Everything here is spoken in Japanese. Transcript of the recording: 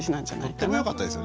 とってもよかったですよね。